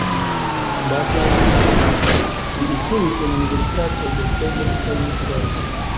Baldaŭe li instruis en universitatoj en Szeged kaj Miskolc.